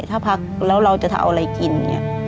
ถ้าพักแล้วเราจะเอาอะไรกินเนี่ย